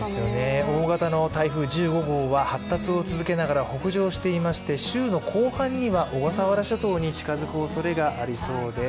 大型の台風１５号は発達を続けながら北上をしていまして週の後半には小笠原諸島に近づくおそれがありそうです。